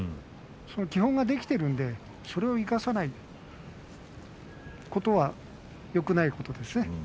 基本ができているのでそれを生かさないことはよくないことですね。